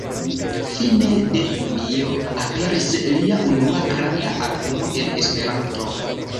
Fine de junio aperis lia unua granda albumo en Esperanto.